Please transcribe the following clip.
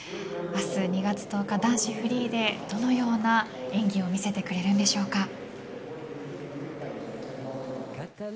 明日２月１０日、男子フリーでどのような演技を見せてくれるんでしょうか。